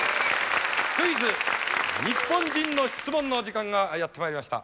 「クイズ日本人の質問」の時間がやってまいりました。